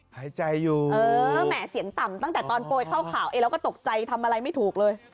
หายใจอยู่เออแหม่เสียงต่ำตั้งแต่ตอนโปรยเข้าข่าวเองแล้วก็ตกใจทำอะไรไม่ถูกเลย